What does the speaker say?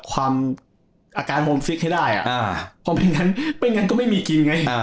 ความอาการโฮมซิกให้ได้อ่าพอเป็นงั้นเป็นงั้นก็ไม่มีกินไงอ่า